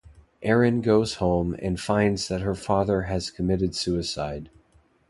Erin goes home, and finds that her father has committed suicide.